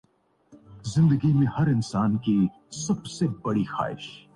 ان کے سامنے وہی سچ تھا کہ جان ہے۔